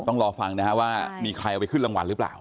ต้องรอฟังนะฮะว่ามีใครเอาไปขึ้นรางวัลหรือเปล่า